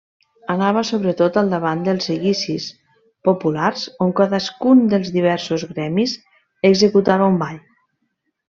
Anava sobretot al davant dels seguicis populars, on cadascun dels diversos gremis executava un ball.